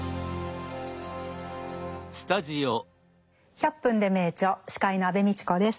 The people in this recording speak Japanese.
「１００分ｄｅ名著」司会の安部みちこです。